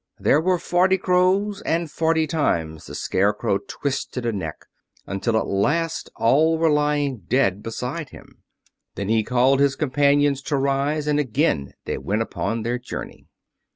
There were forty crows, and forty times the Scarecrow twisted a neck, until at last all were lying dead beside him. Then he called to his companions to rise, and again they went upon their journey.